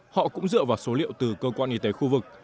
họ cũng dựa vào số liệu từ cơ quan y tế khu vực